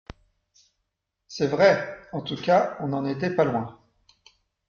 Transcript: C’est vrai ! En tout cas, on n’en était pas loin.